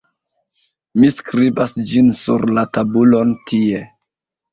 mi skribas ĝin sur la tabulon tie.